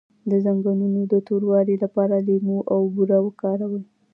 د زنګونونو د توروالي لپاره لیمو او بوره وکاروئ